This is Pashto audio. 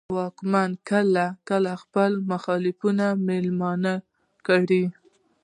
واکمنو به کله کله خپل مخالفان مېلمانه کړل.